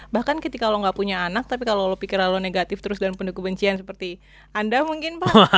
bahkan ketika lo gak punya anak tapi kalau lo pikiran lo negatif terus dan penuh kebencian seperti anda mungkin pak